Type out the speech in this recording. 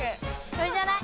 それじゃない？